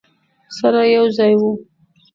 سره یو ځای وو.